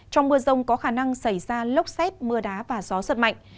trong mưa rông có khả năng xảy ra lốc xét mưa đá và gió giật mạnh